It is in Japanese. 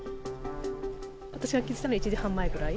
私が気付いたのは１時半前ぐらい。